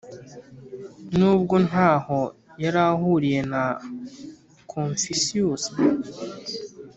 nubwo nta ho yari ahuriye na confucius.